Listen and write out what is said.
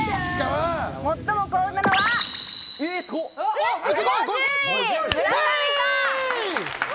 最も幸運なのは、５０位、村上さん！